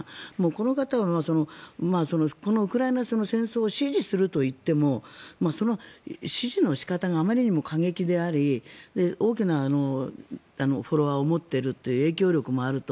この方、このウクライナ戦争を支持するといっても支持の仕方があまりにも過激であり大きなフォロワーを持っているという影響力もあると。